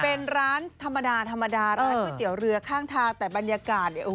เป็นร้านธรรมดาธรรมดาร้านก๋วยเตี๋ยวเรือข้างทางแต่บรรยากาศเนี่ย